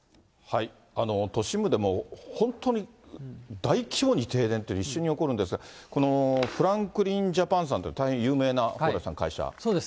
都市部でも本当に大規模に停電っていうのが一瞬に起きるんですが、このフランクリン・ジャパンさんというのは、そうです。